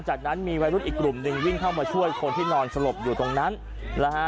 จากนั้นมีวัยรุ่นอีกกลุ่มหนึ่งวิ่งเข้ามาช่วยคนที่นอนสลบอยู่ตรงนั้นนะฮะ